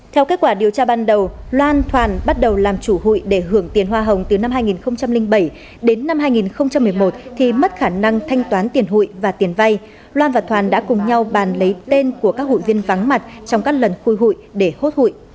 theo kết quả điều tra ban đầu loan thoàn bắt đầu làm chủ hụi để hưởng tiền hoa hồng từ năm hai nghìn bảy đến năm hai nghìn một mươi một thì mất khả năng thanh toán tiền hụi và tiền vay loan và toàn đã cùng nhau bàn lấy tên của các hụi viên vắng mặt trong các lần khôi hụi để hốt hụi